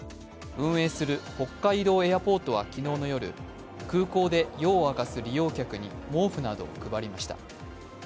運営する北海道エアポートは昨日夜、空港で夜を明かす利用客に毛布などを配りました。